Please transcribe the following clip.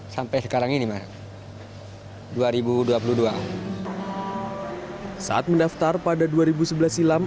saat mendaftar pada dua ribu sebelas silam